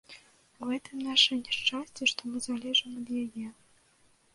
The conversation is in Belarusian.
У гэтым наша няшчасце, што мы залежым ад яе.